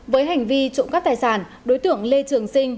với hành vi trụng các tài sản đối tượng lê trường sinh